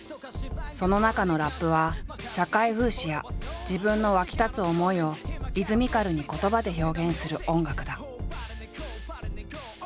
その中のラップは社会風刺や自分の沸き立つ思いをリズミカルに言葉で表現する音楽だ。